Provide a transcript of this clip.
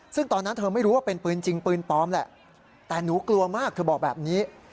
ซึ่งตอนนั้นเธอไม่รู้ว่าเป็นปืนจริงปืนปลอมแหละแต่หนูกลัวมากเธอบอกแบบนี้